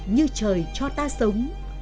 như trời cho ta sống